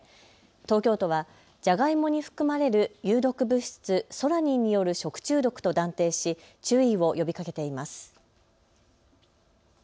東京都はジャガイモに含まれる有毒物質、ソラニンによる食中毒と断定し注意を呼びかけています。